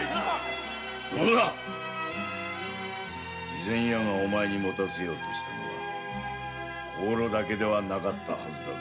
肥前屋がお前に持たせようとしたのは香炉だけではなかったはずだ。